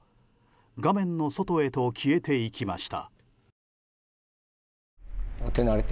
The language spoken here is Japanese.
画面の外へと消えていきました。